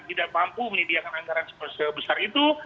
tidak mampu menyediakan anggaran sebesar itu